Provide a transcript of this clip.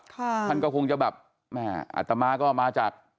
ท่านก็คงจะแบบแม่อัตมาก็มาจาก